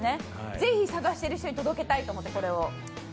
ぜひ探している人にこれを届けたいと思って。